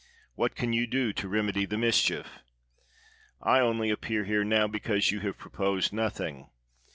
What can you do to remedy the mischief? I only appear here now because you have proposed nothing.